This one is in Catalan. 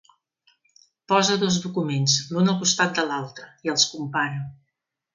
Posa dos documents l'un al costat de l'altre i els compara.